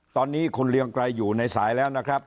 ตอนนี้คุณเรืองไกรอยู่ในสายแล้วนะครับ